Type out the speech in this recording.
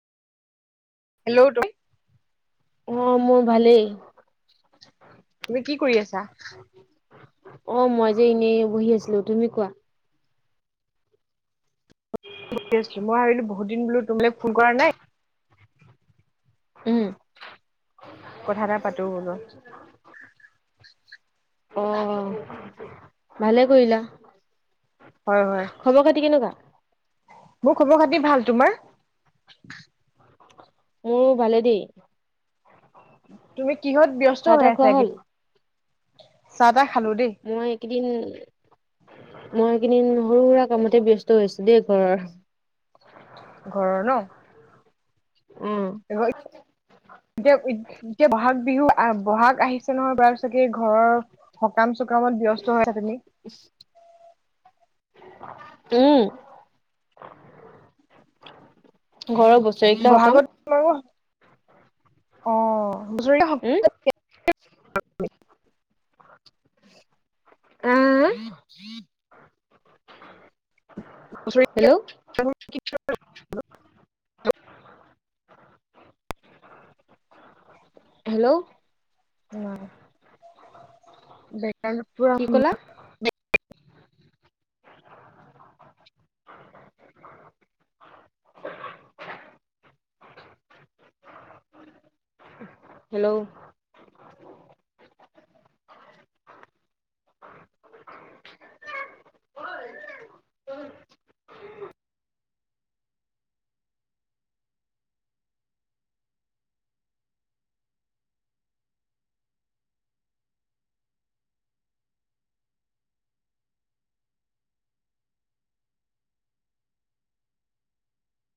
Hello? অ', মোৰ ভালেই। তুমি কি কৰি আছা? অ', মই যে এনে বহি আছিলো তুমি কোৱা? [unintelligible] মই ভাবিলো বহু দিন বোলো তোমালে ফোন কৰা নাই। উম। কথা এটা পাতো বোলো। [inaudible] অ', ভালে কৰিলা। হয়, হয়। খবৰ-খাতি কেনেকুৱা? মোৰ খবৰ-খাতি ভাল তোমাৰ? মোৰ ভালে দেই। তুমি কিহত ব্যস্ত চাহ হৈ তাহ আছা খোৱা হ'ল? এইকেইদিন? চাহ-তাহ খালো দেই। এইকেদিন মই একেইদিন সৰু সুৰা কামতে ব্যস্ত হৈ আছোঁ দেই ঘৰৰ। ঘৰৰ ন'? উম, এতিয়া এতিয়া বহাগ বিহু আহ, বহাগ আহিছে নহয় বাৰু চাগে ঘৰৰ সকাম-চকামত ব্যস্ত হৈছা তুমি? উম। ঘৰৰ বস্তু। বহাগত [unintelligible] অ', হুচৰি উম, [unintelligible] আ, আ, আ? বছৰি হেল্ল'? [unintelligible] হেল্ল'? [unintelligible] কি ক'লা [unintelligible] হেল্ল'?